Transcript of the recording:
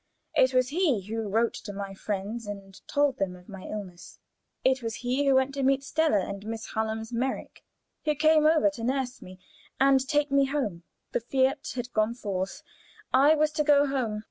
It was he who wrote to my friends and told them of my illness; it was he who went to meet Stella and Miss Hallam's Merrick, who came over to nurse me and take me home. The fiat had gone forth. I was to go home.